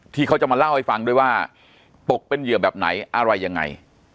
ที่เขาจะมาเล่าให้ฟังด้วยว่าตกเป็นเหยื่อแบบไหนอะไรยังไง